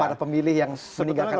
pada pemilih yang meninggalkan ahok